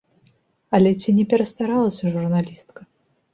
Але ці не перастаралася журналістка?